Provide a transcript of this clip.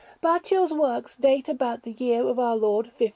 Baccio's works date about the year of our Lord 1533.